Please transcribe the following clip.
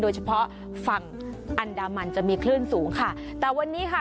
เฉพาะฝั่งอันดามันจะมีคลื่นสูงค่ะแต่วันนี้ค่ะ